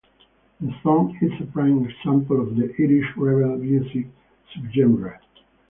The song is a prime example of the "Irish rebel music" subgenre.